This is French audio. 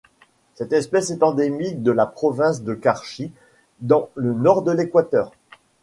Cette espèce est endémique de la province de Carchi dans le nord de l'Équateur.